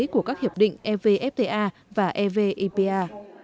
của các hiệp định evfta và evipa